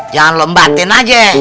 jangan lembatin aja